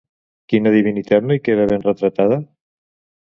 Quina divinitat no hi queda ben retratada?